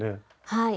はい。